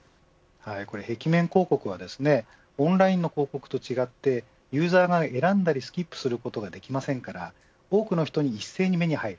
壁面広告はオンラインの広告と違ってユーザーが選んだりスキップすることができませんから多くの人に一斉に目に入る。